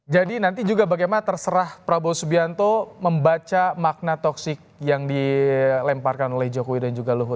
jadi nanti juga bagaimana terserah prabowo subianto membaca makna toxic yang dilemparkan oleh jokowi dan juga luhut